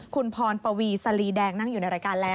คุณพรปวีสลีแดงนั่งอยู่ในรายการแล้ว